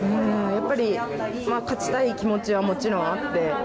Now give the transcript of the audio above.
勝ちたい気持ちはもちろんあって。